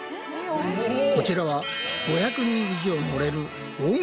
こちらは５００人以上乗れる大型